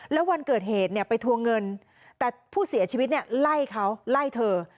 แล้ววันเกิดเหตุไปทัวร์เงินแต่ผู้เสียชีวิตไล่เขาไล่เธอ